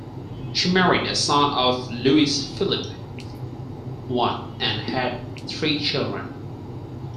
She married a son of Louis Philippe I and had three children.